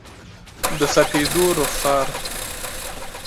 د سپېدو رخسار،